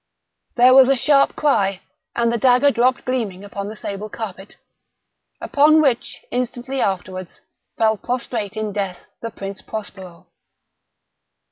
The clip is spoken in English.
There was a sharp cry—and the dagger dropped gleaming upon the sable carpet, upon which, instantly afterwards, fell prostrate in death the Prince Prospero.